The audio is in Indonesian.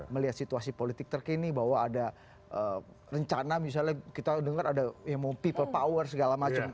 melihat situasi politik terkini bahwa ada rencana misalnya kita dengar ada yang mau people power segala macam